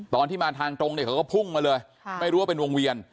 ตอนที่มาทางตรงเนี่ยเขาก็พุ่งมาเลยไม่รู้ว่าเป็นวงเวียน